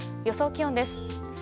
予想気温です。